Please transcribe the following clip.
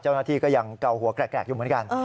เจ้าหน้าที่ก็ยังเกาหัวแกรกอยู่เหมือนกัน